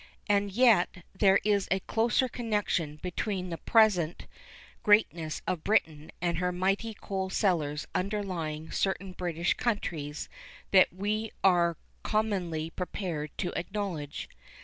And yet there is a closer connection between the present greatness of Britain and the mighty coal cellars underlying certain British counties than we are commonly prepared to acknowledge.